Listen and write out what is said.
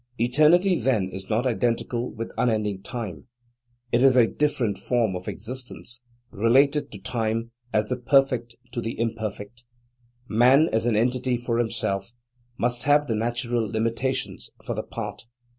Eternity then is not identical with unending time; it is a different form of existence, related to time as the perfect to the imperfect … Man as an entity for himself must have the natural limitations for the part.